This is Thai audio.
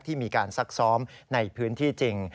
ที่มีการซักซ้อมในพื้นที่จริง